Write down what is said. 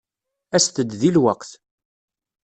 Aset-d deg lweqt.